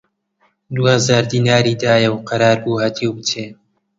دوو هەزار دیناری دایە و قەرار بوو هەتیو بچێ